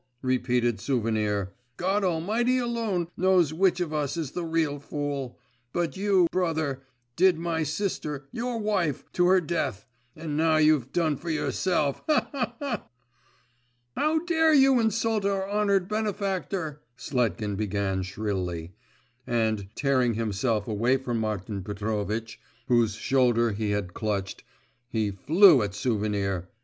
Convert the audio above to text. repeated Souvenir. 'God Almighty alone knows which of us is the real fool. But you, brother, did my sister, your wife, to her death, and now you've done for yourself … ha ha ha!' 'How dare you insult our honoured benefactor?' Sletkin began shrilly, and, tearing himself away from Martin Petrovitch, whose shoulder he had clutched, he flew at Souvenir.